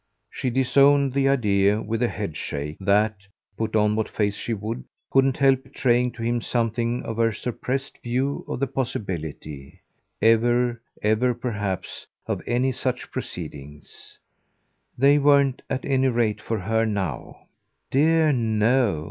She disowned the idea with a headshake that, put on what face she would, couldn't help betraying to him something of her suppressed view of the possibility ever, ever perhaps of any such proceedings. They weren't at any rate for her now. "Dear no.